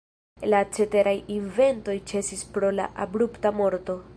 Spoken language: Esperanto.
La ceteraj inventoj ĉesis pro la abrupta morto.